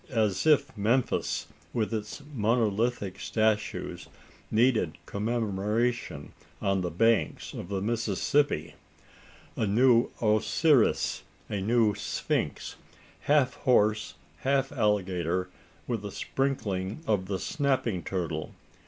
as if Memphis with its monolithic statues needed commemoration on the banks of the Mississippi! A new Osiris a new Sphinx, "half horse, half alligator, with a sprinkling of the snapping turtle."